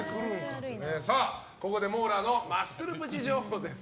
ここでモーラーのマッスルプチ情報です。